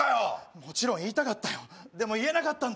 もちろん、言いたかったよでも言えなかったんだ。